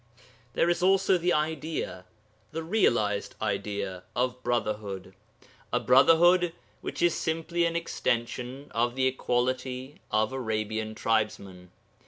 There is also the idea the realized idea of brotherhood, a brotherhood which is simply an extension of the equality of Arabian tribesmen.